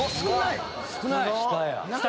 少ない。